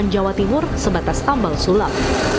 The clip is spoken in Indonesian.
delapan jawa timur sebatas tambang sulap